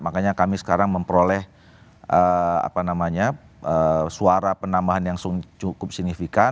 makanya kami sekarang memperoleh suara penambahan yang cukup signifikan